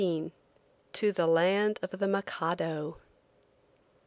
TO THE LAND OF THE MIKADO.